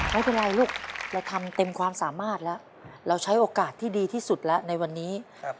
ไม่เป็นไรลูกเราทำเต็มความสามารถแล้วเราใช้โอกาสที่ดีที่สุดแล้วในวันนี้